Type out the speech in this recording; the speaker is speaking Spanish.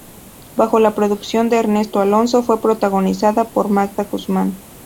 Bajo la producción de Ernesto Alonso, fue protagonizada por Magda Guzmán.